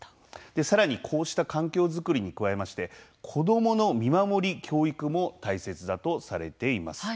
さらにこうした環境づくりに加えまして子どもの見守り、教育も大切だとされています。